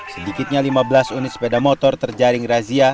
sedikitnya lima belas unit sepeda motor terjaring razia